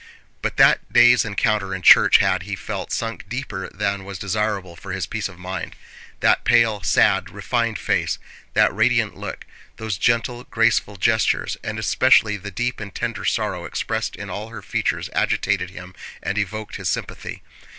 But that day's encounter in church had, he felt, sunk deeper than was desirable for his peace of mind. That pale, sad, refined face, that radiant look, those gentle graceful gestures, and especially the deep and tender sorrow expressed in all her features agitated him and evoked his sympathy.